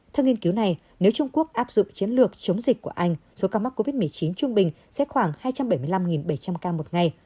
chiến lược chống dịch của anh số ca mắc covid một mươi chín trung bình sẽ khoảng hai trăm bảy mươi năm bảy trăm linh ca một ngày